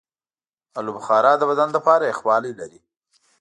آلوبخارا د بدن لپاره یخوالی لري.